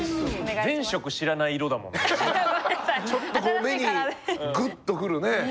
ちょっとこう目にグッとくるね。